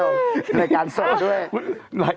รายการสดด้วย